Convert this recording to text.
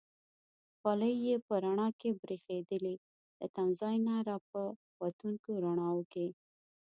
خولۍ یې په رڼا کې برېښېدلې، له تمځای نه په را وتونکو رڼاوو کې.